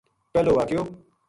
پہلو واقعو